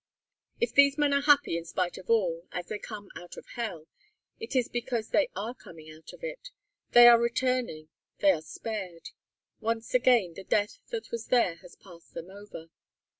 If these men are happy in spite of all, as they come out of hell, it is because they are coming out of it. They are returning, they are spared. Once again the Death that was there has passed them over.